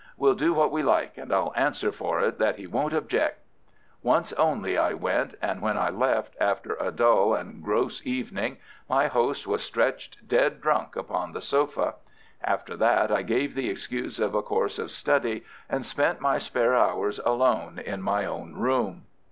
We'll do what we like, and I'll answer for it that he won't object." Once only I went, and when I left, after a dull and gross evening, my host was stretched dead drunk upon the sofa. After that I gave the excuse of a course of study, and spent my spare hours alone in my own room.